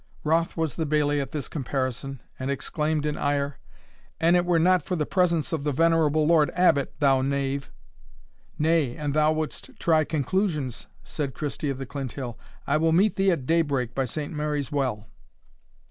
Wroth was the bailie at this comparison, and exclaimed in ire "An it were not for the presence of the venerable Lord Abbot, thou knave " "Nay, an thou wouldst try conclusions," said Christie of the Clinthill, "I will meet thee at day break by Saint Mary's Well."